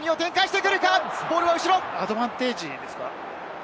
アドバンテージですか？